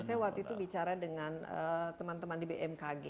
saya waktu itu bicara dengan teman teman di bmkg